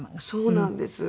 そうなんです。